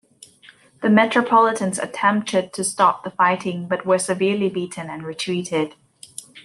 The Metropolitans attempted to stop the fighting but were severely beaten and retreated.